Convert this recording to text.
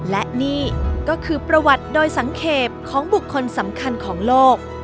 และนี่ก็คือประวัติโดยสังเกตของบุคคลสำคัญของโลก